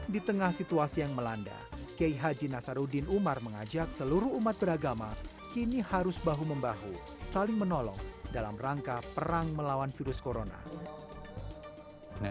di tengah situasi yang melanda k h nasaruddin umar mengajak seluruh umat beragama kini harus bahu membahu saling menolong dalam rangka perang melawan virus corona